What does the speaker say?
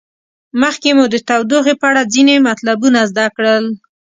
مخکې مو د تودوخې په اړه ځینې مطلبونه زده کړل.